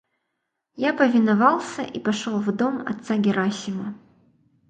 Я повиновался и пошел в дом отца Герасима.